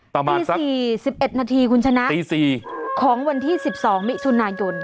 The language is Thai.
ประมาณสักสิบเอ็ดนาทีคุณชนะตีสี่ของวันที่สิบสองมิถุนายน